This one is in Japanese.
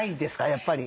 やっぱり。